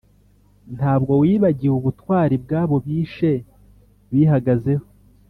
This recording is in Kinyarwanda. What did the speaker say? Ntabwo wibagiwe ubutwari Bw’abo bishe bihagazeho ;